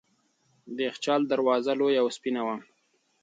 د یخچال دروازه لویه او سپینه وه.